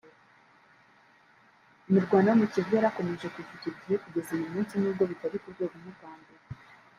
Imirwano yo muri Kivu yarakomeje kuva icyo gihe kugeza uyu munsi nubwo bitari ku rwego nk’urwa mbere